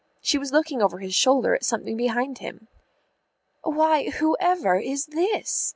She was looking over his shoulder at something behind him. "Why, whoever is this?"